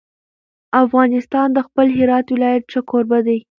افغانستان د خپل هرات ولایت ښه کوربه دی.